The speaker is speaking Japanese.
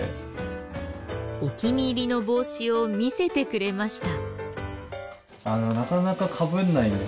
お気に入りの帽子を見せてくれました。